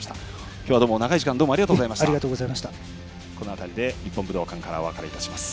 今日はどうも長い時間ありがとうございました。